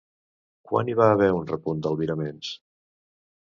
Quan hi va haver un repunt d'albiraments?